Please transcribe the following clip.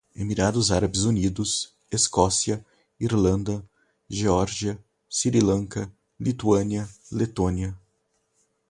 Emirados Árabes Unidos, Escócia, Irlanda, Geórgia, Sri Lanka, Lituânia, Letônia